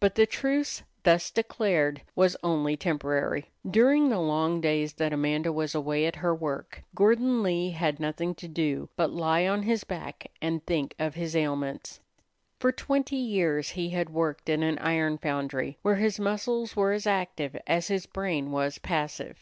But the truce, thus declared, was only temporary. During the long days that Amanda was away at her work, Gordon Lee had nothing to do but lie on his back and think of his ailments. For twenty years he had worked in an iron foundry, where his muscles were as active as his brain was passive.